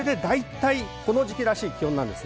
この時期らしい気温です。